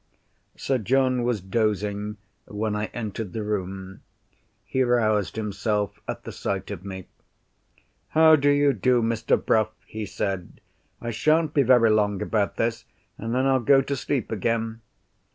Sir John was dozing, when I entered the room. He roused himself at the sight of me. "How do you do, Mr. Bruff?" he said. "I sha'n't be very long about this. And then I'll go to sleep again."